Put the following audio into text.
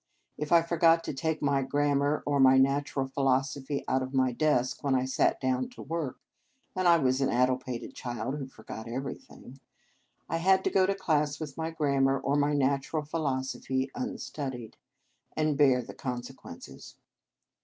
If I for got to take my grammar or my natural philosophy out of my desk when I sat down to work (and I was an addle pated child who forgot everything), I had to go to class with my grammar or my natural philosophy unstudied, and bear the consequences.